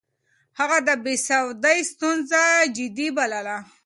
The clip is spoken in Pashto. هغه د بې سوادۍ ستونزه جدي بلله.